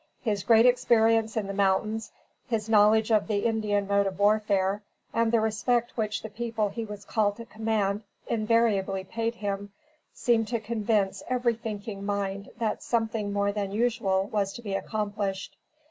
His great experience in the mountains, his knowledge of the Indian mode of warfare, and the respect which the people he was called to command invariably paid him, seemed to convince every thinking mind that something more than usual was to be accomplished.